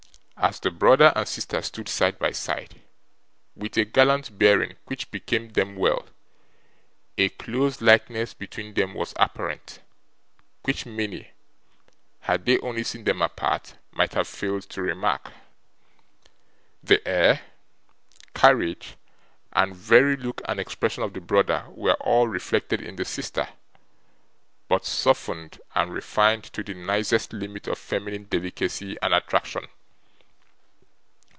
As the brother and sister stood side by side, with a gallant bearing which became them well, a close likeness between them was apparent, which many, had they only seen them apart, might have failed to remark. The air, carriage, and very look and expression of the brother were all reflected in the sister, but softened and refined to the nicest limit of feminine delicacy and attraction.